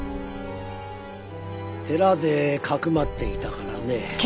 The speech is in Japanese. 寺で匿っていたからね。